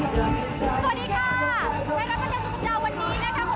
สวัสดีค่ะในรับประเทศสุดสัปดาห์วันนี้นะครับค่ะ